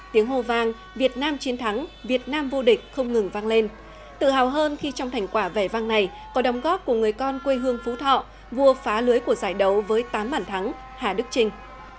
tiếng hồ vang việt nam chiến thắng việt nam vô địch không ngừng vang lên tự hào hơn khi trong thành quả vẻ vang này có đóng góp của người con quê hương phú thọ vua phá lưới của giải đấu với tám bản thắng hà đức trinh